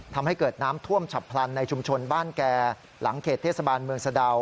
ทำให้เกิดน้ำท่วมฉับพลันในชุมชนบ้านแก่หลังเขตเทศบาลเมืองสะดาว